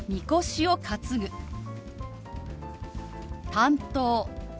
「担当」。